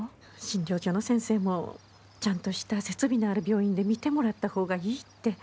診療所の先生もちゃんとした設備のある病院で診てもらった方がいいって。